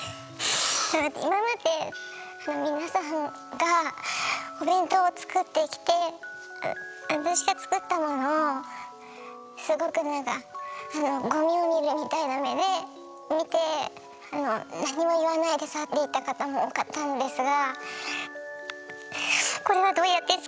今まで皆さんがお弁当を作ってきて私が作ったものをすごくなんかゴミを見るみたいな目で見てあの何も言わないで去っていった方も多かったんですが。